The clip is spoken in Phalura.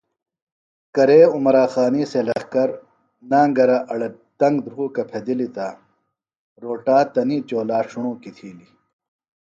کرے عمراخانی سےۡ لخکر نانگرہ اڑے تنگ دُھروکہ پھدِلیۡ تہ روٹا تنی چولا ݜݨوکی تِھیلیۡ